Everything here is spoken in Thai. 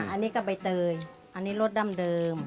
อันนี้ก็ใบเตยอันนี้รสดั้งเดิม